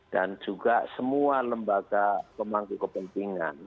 dan juga semua lembaga pemangku kepentingan